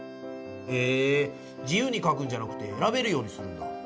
へぇ自由に書くんじゃなくて選べるようにするんだ。